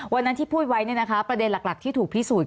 วันนั้นที่พูดไว้เนี่ยนะคะประเด็นหลักที่ถูกพิสูจน์